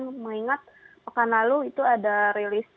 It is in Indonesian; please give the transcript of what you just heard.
mbak ceril mengingat minggu lalu itu ada rilis